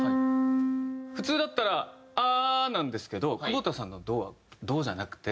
普通だったら「アー」なんですけど久保田さんの「ド」は「ド」じゃなくて。